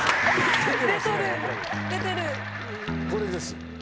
これです。